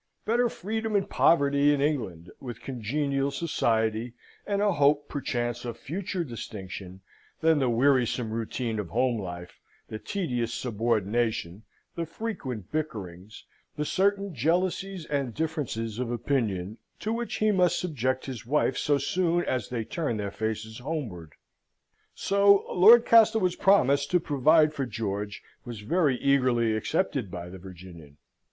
Better freedom and poverty in England, with congenial society, and a hope perchance of future distinction, than the wearisome routine of home life, the tedious subordination, the frequent bickerings, the certain jealousies and differences of opinion, to which he must subject his wife so soon as they turned their faces homeward. So Lord Castlewood's promise to provide for George was very eagerly accepted by the Virginian.